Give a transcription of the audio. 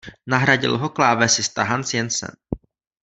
Nahradil ho klávesista Hans Jansen.